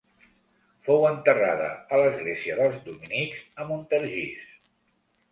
Fou enterrada a l'església dels dominics a Montargis.